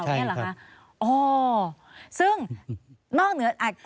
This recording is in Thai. ใช่ครับ